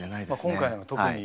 今回のは特に。